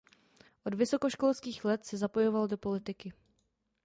Od vysokoškolských let se zapojoval do politiky.